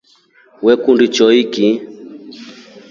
Wekunda choiki?